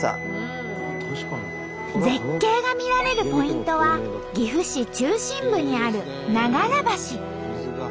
絶景が見られるポイントは岐阜市中心部にある長良橋。